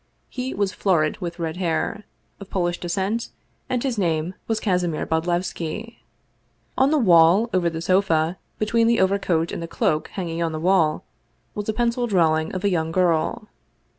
He was florid, with red hair; of Polish descent, and his name was Kasimir Bodlevski. On the wall, over the sofa, between the overcoat and the cloak hanging on the wall, was a pencil drawing of a young girl.